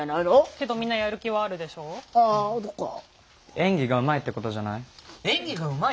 演技がうまいってことじゃない？